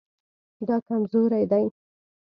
دا کمزوری دی